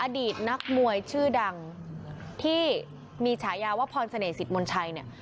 อดีตนักมวยชื่อดังที่มีฉายาว่าพรเสน่หิตมนชัยเนี่ย